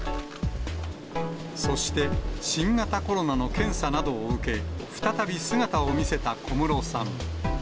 そして新型コロナの検査などを受け、再び姿を見せた小室さん。